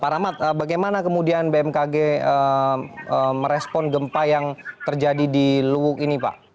pak rahmat bagaimana kemudian bmkg merespon gempa yang terjadi di luwuk ini pak